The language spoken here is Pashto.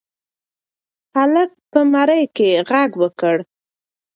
هلک په مرۍ کې غږ وکړ.